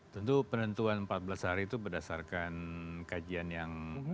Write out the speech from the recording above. tentu penentuan empat belas hari itu berdasarkan kajian yang